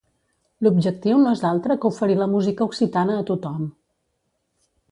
L'objectiu no és altre que oferir la música occitana a tothom.